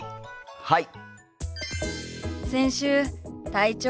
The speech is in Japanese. はい！